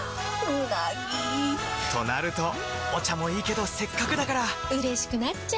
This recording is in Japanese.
うなぎ！となるとお茶もいいけどせっかくだからうれしくなっちゃいますか！